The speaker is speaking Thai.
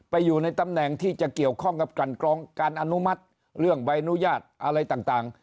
อยู่ในตำแหน่งที่จะเกี่ยวข้องกับกันกรองการอนุมัติเรื่องใบอนุญาตอะไรต่าง